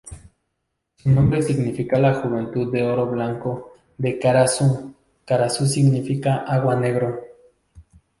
Su nombre significa la juventud de oro blanco de Kara-Suu, Kara-Suu significa agua negro.